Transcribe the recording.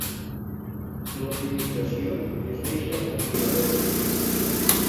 L'optimització es deixa al compilador C.